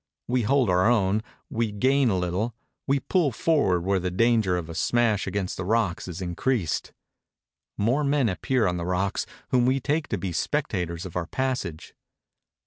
We hold our own; we gain a httle; we pull forward where the danger of a smash against the rocks is increased. More men appear on the rocks, whom we take to be spectators of our passage.